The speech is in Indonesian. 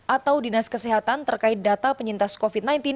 atau dinas kesehatan terkait data penyintas covid sembilan belas